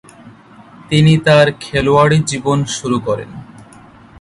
তিনি তার খেলোয়াড়ী জীবন শুরু করেন।